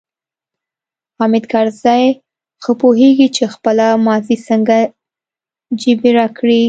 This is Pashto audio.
حامد کرزی ښه پوهیږي چې خپله ماضي څنګه جبیره کړي.